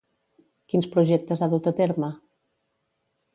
Quins projectes ha dut a terme?